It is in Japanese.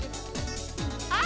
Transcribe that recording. あ！